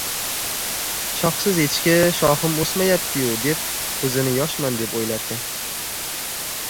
• Shoxsiz echki shoxim o‘smayapti-yu deb, o‘zini yoshman deb o‘ylarkan.